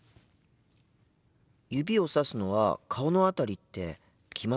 指をさすのは顔の辺りって決まっているんですか？